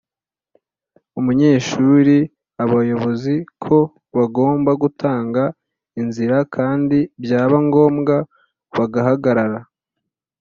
umunyeshuri abayobozi ko bagomba Gutanga inzira kandi byaba ngombwa bagahagarara